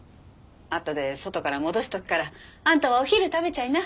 あとで外から戻しておくからあんたはお昼食べちゃいな。